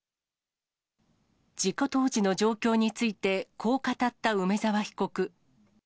事故当時の状況についてこう語った梅沢被告。